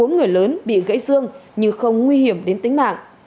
bốn người lớn bị gãy xương nhưng không nguy hiểm đến tính mạng